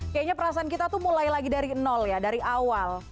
kayaknya perasaan kita tuh mulai lagi dari nol ya dari awal